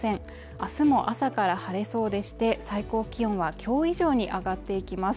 明日も朝から晴れそうでして最高気温はきょう以上に上がっていきます